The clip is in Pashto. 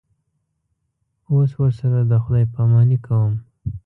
اوس ورسره خدای پاماني کوم.